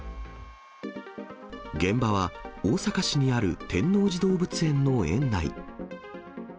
現場は大阪市にある天王寺動物園の園内。